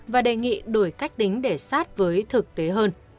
và đề nghị đổi cách tính để sát với thực tế hơn